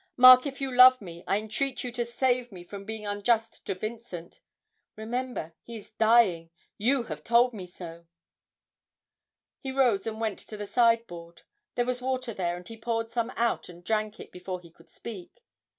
Mark, if you love me, I entreat you to save me from being unjust to Vincent. Remember, he is dying you have told me so!' He rose and went to the sideboard; there was water there, and he poured some out and drank it before he could speak.